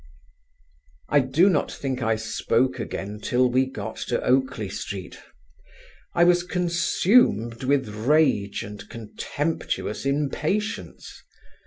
I do not think I spoke again till we got to Oakley Street. I was consumed with rage and contemptuous impatience.